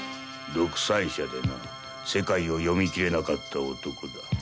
独裁者でな世界を読み切れなかった男だ。